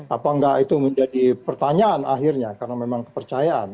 apa enggak itu menjadi pertanyaan akhirnya karena memang kepercayaan